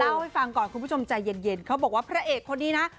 เล่าให้ฟังก่อนคุณผู้ชมใจเย็นเขาบอกว่าพระเอกคนนี้นะ